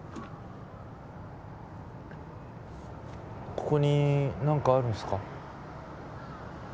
ここに何かあるんすか？